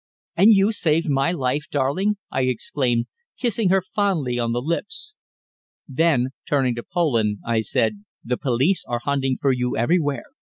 "And you saved my life, darling!" I exclaimed, kissing her fondly on the lips. Then, turning to Poland, I said "The police are hunting for you everywhere.